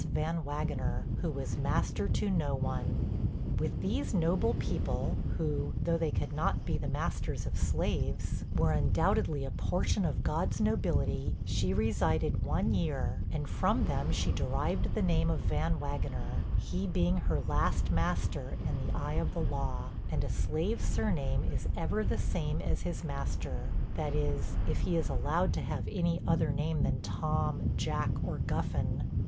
Van Wagener, who was master to no one. With these noble people, who, though they could not be the masters of slaves, were undoubtedly a portion of God's nobility, she resided one year, and from them she derived the name of Van Wagener; he being her last master in the eye of the law, and a slave's surname is ever the same as his master; that is, if he is allowed to have any other name than Tom, Jack, or Guffin.